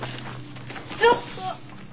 ちょっと！